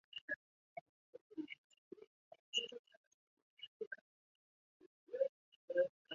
梅辛根是德国下萨克森州的一个市镇。